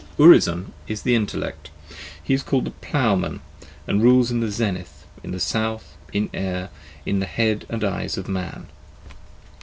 Urizen is the Intellect; he is called a Ploughman, and rules in the Zenith, in the South, in Air, in the Head and Eyes of Man.